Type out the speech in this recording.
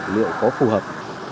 liệu có phù hợp